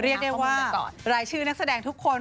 เรียกได้ว่ารายชื่อนักแสดงทุกคน